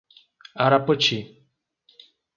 Arapoti